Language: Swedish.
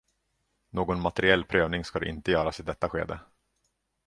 Någon materiell prövning ska inte göras i detta skede.